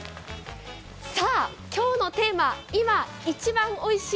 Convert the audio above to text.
さあ、今日のテーマ、「いま一番おいしい！